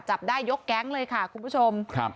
จับได้ยกแก๊งเลยค่ะคุณผู้ชมครับ